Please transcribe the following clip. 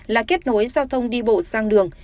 là kết nối giao thông đi bộ sang đường